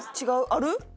ある？